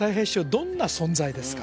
どんな存在ですか？